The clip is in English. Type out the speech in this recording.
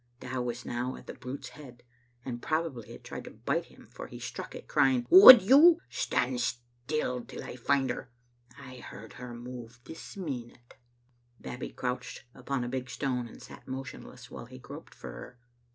Dow was now at the brute's head, and probably it tried to bite him, for he struck it, crying: " Would you? Stand still till I find her. I heard her move this minute." Babbie crouched upon a big stone and sat motionless while he groped for her.